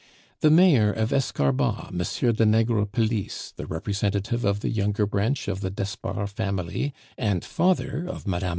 "The Mayor of Escarbas, M. de Negrepelisse, the representative of the younger branch of the d'Espard family, and father of Mme.